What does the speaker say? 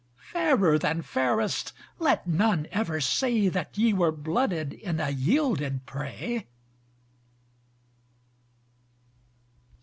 Fairer than fairest, let none ever say, That ye were blooded in a yielded prey.